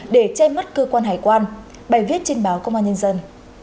để che mắt cơ quan hải quan bài viết trên báo công an nhân dân